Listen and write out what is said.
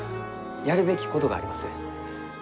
やるべきことがあります。